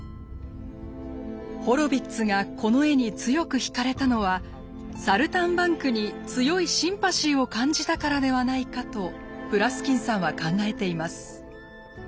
ホロヴィッツがこの絵に強く引かれたのは「サルタンバンク」に強いシンパシーを感じたからではないかとプラスキンさんは考えています。